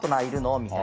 みたいな。